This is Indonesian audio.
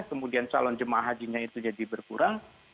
kemudian calon jemaah hajinya itu jadi berkurang